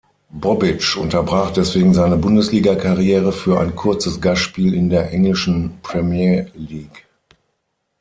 Bobic unterbrach deswegen seine Bundesligakarriere für ein kurzes Gastspiel in der englischen Premier League.